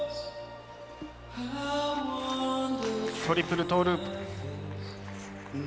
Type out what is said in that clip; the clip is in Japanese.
トリプルトーループ。